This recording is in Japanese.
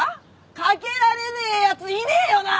懸けられねえ奴いねえよな！？